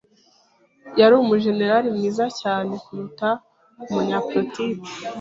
Yari umujenerali mwiza cyane kuruta umunyapolitiki. .